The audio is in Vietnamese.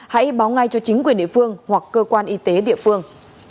hãy báo ngay cho chính quyền địa phương hoặc cơ quan y tế địa phương